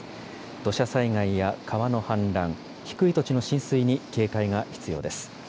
土砂災害や川の氾濫、低い土地の浸水に警戒が必要です。